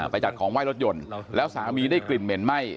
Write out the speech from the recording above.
จัดของไห้รถยนต์แล้วสามีได้กลิ่นเหม็นไหม้